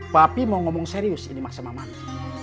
papi mau ngomong serius ini mah sama mami